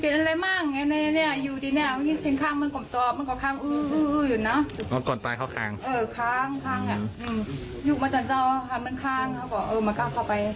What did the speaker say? ยุดมาจนเจ้าทามทางเขาก่อเออมาขาวเข้าไป